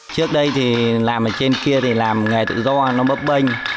trước đây thì làm ở trên kia thì làm nghề tự do nó bấp bênh